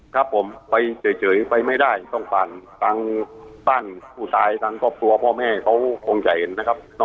ก็ไม่ได้ต้องฟังผู้ตายขับตัวเจอเนื้อไม่รู้ตัวอยู่ตรงไหนนะครับ